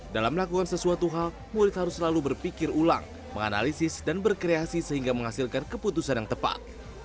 dalam melakukan sesuatu hal murid harus selalu berpikir ulang menganalisis dan berkreasi sehingga menghasilkan keputusan yang tepat